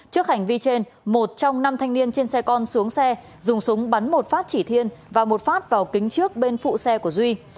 trước hành vi trên một trong năm thanh niên trên xe con xuống xe dùng súng bắn một phát chỉ thiên và một phát vào kính trước bên phụ xe của duy